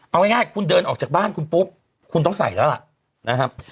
เอาง่ายคุณเดินออกจากบ้านคุณปุ๊บคุณต้องใส่แล้วล่ะนะครับ